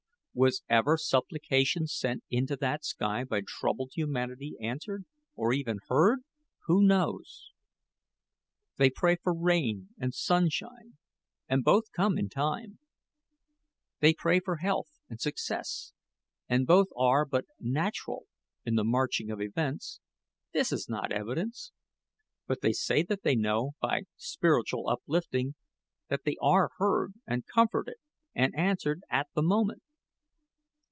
Was ever supplication sent into that sky by troubled humanity answered, or even heard? Who knows? They pray for rain and sunshine, and both come in time. They pray for health and success and both are but natural in the marching of events. This is not evidence. But they say that they know, by spiritual uplifting, that they are heard, and comforted, and answered at the moment.